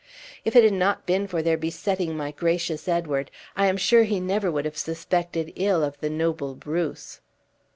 If it had not been for their besetting my gracious Edward, I am sure he never would have suspected ill of the noble Bruce!"